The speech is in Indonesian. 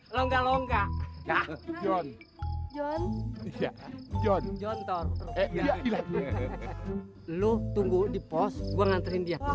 longga longga john john john john jontor eh iya iya lu tunggu di pos gua nganterin dia